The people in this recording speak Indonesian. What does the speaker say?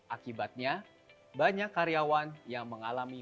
akibatnya banyak karyawan yang mengalami